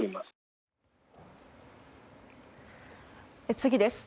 次です。